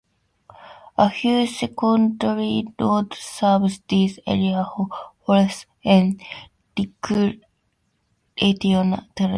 A few secondary roads serve this area for forestry and recreational tourism activities.